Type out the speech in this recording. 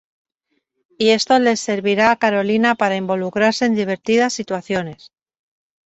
Y esto les servirá a Carolina para involucrarse en divertidas situaciones.